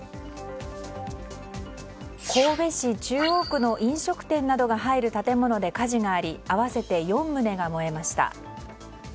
神戸市中央区の飲食店などが入る建物で火事があり合わせて４棟が燃えました。